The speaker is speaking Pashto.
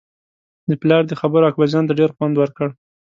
د پلار دې خبرو اکبرجان ته ډېر خوند ورکړ.